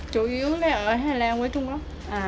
chủ yếu là ở hà lan quế trung quốc